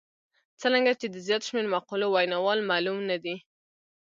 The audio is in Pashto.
څرنګه چې د زیات شمېر مقولو ویناوال معلوم نه دي.